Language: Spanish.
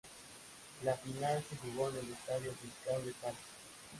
La final se jugó en el Estadio Fiscal de Talca.